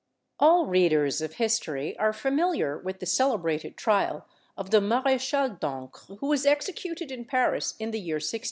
All readers of history are familiar with the celebrated trial of the Maréchale d'Ancre, who was executed in Paris in the year 1617.